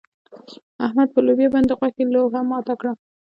احمد پر لوبيا باندې د غوښې لوهه ماته کړه.